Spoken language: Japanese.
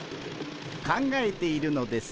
考えているのです。